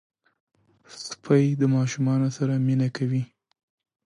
سپي د ماشومانو سره مینه کوي.